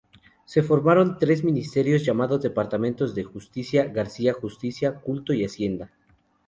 Se formaron tres ministerios, llamados departamentos: Gobierno, Gracia Justicia, Culto y Hacienda.